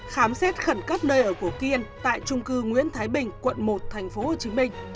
khám xét khẩn cấp nơi ở của kiên tại trung cư nguyễn thái bình quận một tp hcm